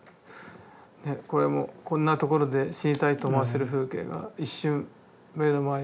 ねこれも「こんなところで死にたいと思わせる風景が、一瞬目の前を過ることがある。」と。